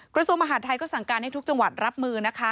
กระทรวงมหาดไทยก็สั่งการให้ทุกจังหวัดรับมือนะคะ